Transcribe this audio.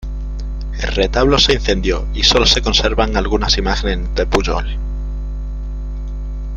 El retablo se incendió y sólo se conservan algunas imágenes de Pujol.